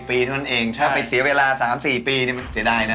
๑๐ปีถ้าไปเสียเวลา๓๔ปีมันเสียดายนะ